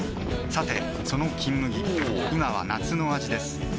さてその「金麦」今は夏の味ですおぉ！